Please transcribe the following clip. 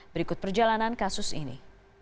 berikut perjalanan kasus ini